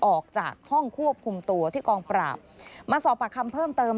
ออกจากห้องควบคุมตัวที่กองปราบมาสอบปากคำเพิ่มเติม